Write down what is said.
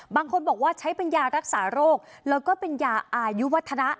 บางคนบอกว่าใช้เป็นยารักษาโรคแล้วก็เป็นยาอายุวัฒนะ